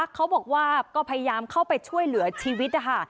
เขาบอกว่าก็พยายามเข้าไปช่วยเหลือชีวิตนะคะ